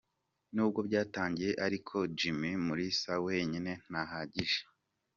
Nubwo byatangiye ariko Jimmy Mulisa wenyine ntahagije.